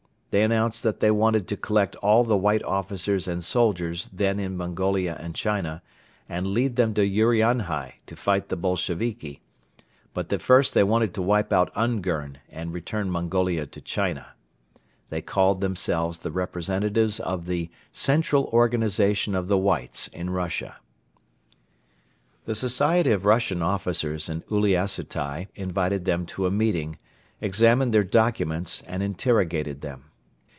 They announced that they wanted to collect all the White officers and soldiers then in Mongolia and China and lead them to Urianhai to fight the Bolsheviki; but that first they wanted to wipe out Ungern and return Mongolia to China. They called themselves the representatives of the Central Organization of the Whites in Russia. The society of Russian officers in Uliassutai invited them to a meeting, examined their documents and interrogated them.